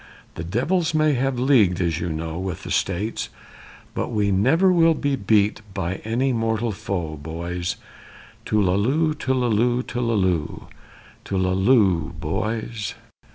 The devils may have leagued, as you know, with the States. But we never will be beat by any mortal foe, boys! Tullalo, tullalo, tullalo, Tullalo, tullalo, tullalo o o o, boys!